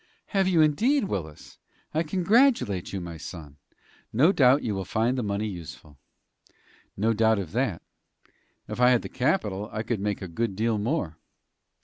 "Have you, indeed, Willis? I congratulate you, my son. No doubt you will find the money useful." "No doubt of that. If I had the capital, I could make a good deal more."